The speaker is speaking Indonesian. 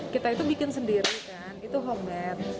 kita itu bikin sendiri kan itu homemade